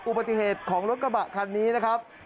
อุบัติเหตุของรถกระบะคันนี้นะครับ